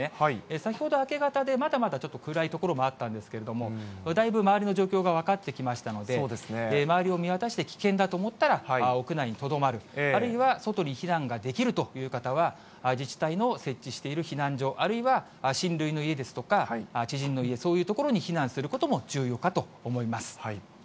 先ほど、明け方でまだまだちょっと暗い所もあったんですけれども、だいぶ周りの状況が分かってきましたので、周りを見渡して、危険だと思ったら屋内にとどまる、あるいは外に避難ができるという方は、自治体の設置している避難所、あるいは親類の家ですとか、知人の家、そういうところに避難することも重要かと思います。